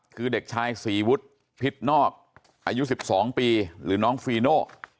คือเด็กชายศรีวุฒิพิษนอกอายุ๑๒ปีหรือน้องฟีโน่